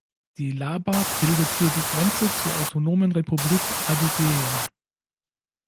Die Laba bildet hier die Grenze zur autonomen Republik Adygeja.